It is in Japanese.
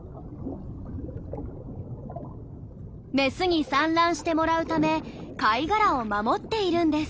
メスに産卵してもらうため貝殻を守っているんです。